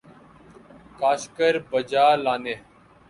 کا شکر بجا لانے